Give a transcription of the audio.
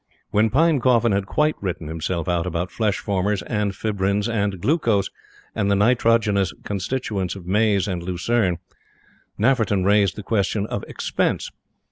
When Pinecoffin had quite written himself out about flesh formers, and fibrins, and glucose and the nitrogenous constituents of maize and lucerne, Nafferton raised the question of expense.